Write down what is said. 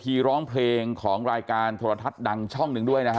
ร้องเพลงของรายการโทรทัศน์ดังช่องหนึ่งด้วยนะฮะ